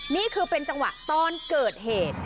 นี่คือเป็นจังหวะตอนเกิดเหตุ